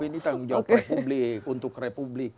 ini tanggung jawab republik untuk republik